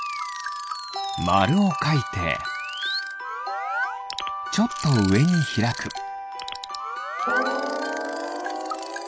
まるをかいてちょっとうえにひらく。